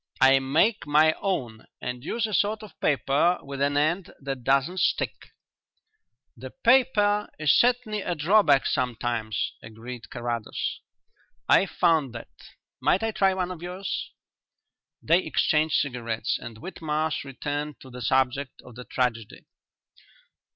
I make my own and use a sort of paper with an end that doesn't stick." "The paper is certainly a drawback sometimes," agreed Carrados. "I've found that. Might I try one of yours?" They exchanged cigarettes and Whitmarsh returned to the subject of the tragedy.